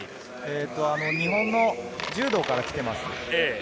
日本の柔道からきています。